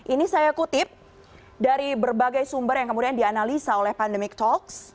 ini saya kutip dari berbagai sumber yang kemudian dianalisa oleh pandemic talks